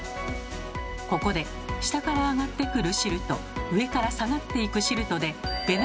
ここで下から上がってくる汁と上から下がっていく汁とでべ